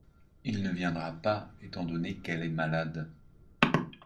Il ne viendra pas étant donné qu'elle est malade.